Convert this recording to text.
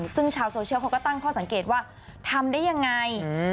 ซึ่งชาวโซเชียลเขาก็ตั้งข้อสังเกตว่าทำได้ยังไง